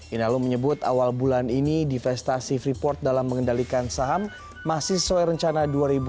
inalum menyebut awal bulan ini divestasi freeport dalam mengendalikan saham masih sesuai rencana dua ribu dua puluh